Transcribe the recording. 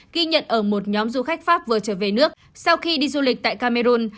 ghi nhận ở một nhóm du khách pháp vừa trở về nước sau khi đi du lịch tại cameroon